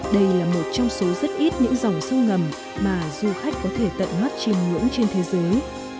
đây là một trong số rất ít những dòng sâu ngầm mà du khách có thể tận hoát chìm ngưỡng trên thế giới